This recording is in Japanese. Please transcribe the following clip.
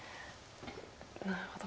なるほど。